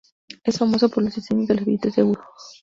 Es famoso por los diseños de los billetes de euro.